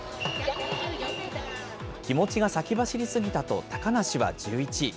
気持ちが先走り過ぎたと高梨は１１位。